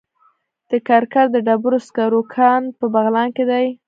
د کرکر د ډبرو سکرو کان په بغلان کې دی